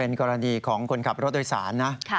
เป็นกรณีของคนขับรถโดยสาร